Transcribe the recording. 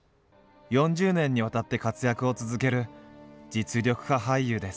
４０年にわたって活躍を続ける実力派俳優です。